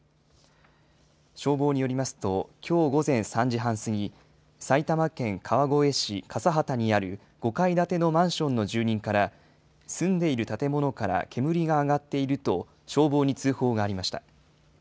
消防によりますと、きょう午前３時半過ぎ、埼玉県川越市笠幡にある５階建てのマンションの住人から、住んでいる建物から煙が上がっていると消防に通報がありました。